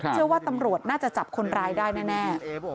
เชื่อว่าตำรวจน่าจะจับคนร้ายได้แน่